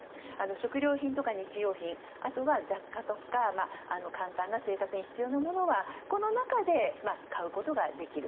食料品とか日用品、雑貨とか簡単な生活に必要なものはこの中で、買うことができる。